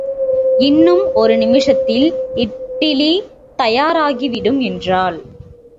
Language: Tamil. இன்னும் ஒரு நிமிஷத்தில் இட்லி தயாராகிவிடும் என்றாள்.